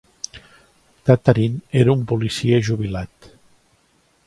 Tataryn era un policia jubilat.